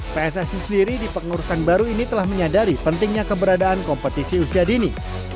pssi sendiri di pengurusan baru ini telah menyadari pentingnya keberadaan kompetisi usia dini